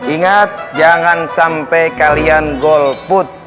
ingat jangan sampai kalian golput